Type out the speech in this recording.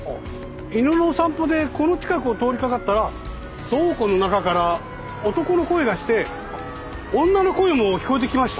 犬の散歩でこの近くを通りかかったら倉庫の中から男の声がして女の声も聞こえてきました。